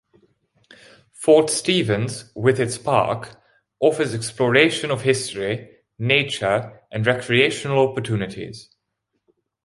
Fort Stevens, with its park, offers exploration of history, nature, and recreational opportunities.